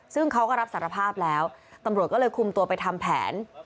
ซึ่งเขาก็รับสารภาพแล้วตำรวจก็เลยคุมตัวไปทำแผน